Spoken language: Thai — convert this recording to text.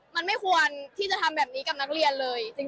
มันไม่ควรที่จะทำแบบนี้กับนักเรียนเลย